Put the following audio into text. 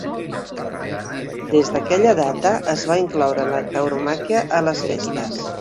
Des d"aquella data, es va incloure la tauromàquia a les festes.